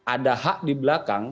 ada hak di belakang